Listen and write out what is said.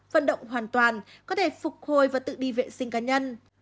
vận động hoàn toàn có thể phục hồi và tự đi vệ sinh cá nhân